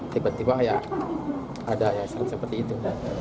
tiba tiba ya ada yayasan seperti itu